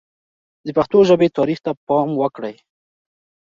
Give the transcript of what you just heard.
د پښتو ژبې تاریخ ته پام وکړئ.